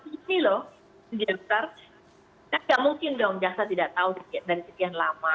nah tidak mungkin dong daftar tidak tahu dari sekian lama